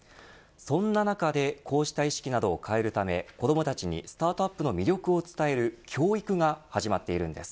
その中でこうした意識などを変えるため、子どもたちにスタートアップの魅力を伝える教育が始まっているんです。